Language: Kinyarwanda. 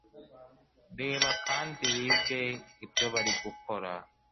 reba kandi wige ibyo bari gukora